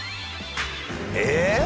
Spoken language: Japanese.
えっ？